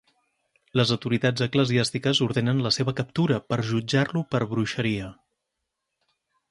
Les autoritats eclesiàstiques ordenen la seva captura, per jutjar-lo per bruixeria.